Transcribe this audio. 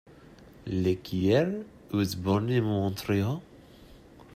L’Ecuyer was born in Montreal.